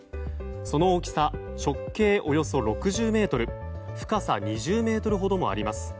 その大きさ直径およそ６０ｍ深さ２０ｍほどもあります。